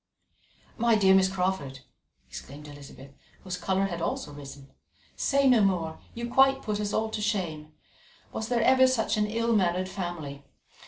"My dear Miss Crawford," exclaimed Elizabeth, whose colour had also risen, "say no more; you quite put us all to shame. Was there ever such an ill mannered family?